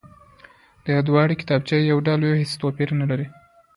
دې دواړې کتابچې يو ډول وې هېڅ توپير يې نه درلود،